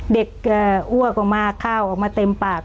เด็กก็อ้วกออกมาข้าวออกมาเต็มปาก